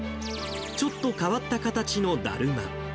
ちょっと変わった形のだるま。